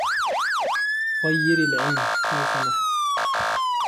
غيري العلم ، لو سمحت.